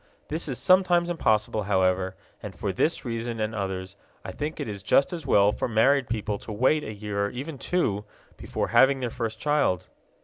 This is sometimes impossible, however, and for this reason and others I think it is just as well for married people to wait a year or even two before having their first child.